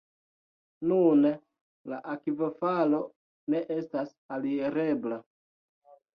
Nune la akvofalo ne estas alirebla.